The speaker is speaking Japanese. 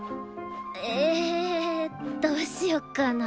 えどうしよっかな。